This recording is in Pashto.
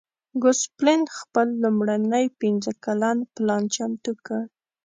ګوسپلن خپل لومړنی پنځه کلن پلان چمتو کړ.